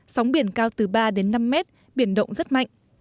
sóng biển cao từ ba đến năm mét biển động rất mạnh